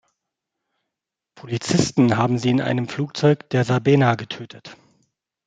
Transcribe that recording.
Polizisten haben sie in einem Flugzeug der Sabena getötet.